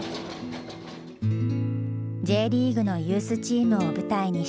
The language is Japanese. Ｊリーグのユースチームを舞台にした「アオアシ」。